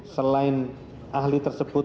selain ahli tersebut